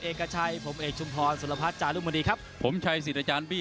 เอกกระชัยผมเอกชุมพรสุรพัชย์จารุมดีครับผมชัยสิรรจารย์บี้